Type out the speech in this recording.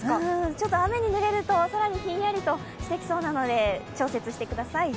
ちょっと雨にぬれるとさらにひんやりとしてきそうなので調節してください。